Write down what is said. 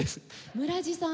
村治さん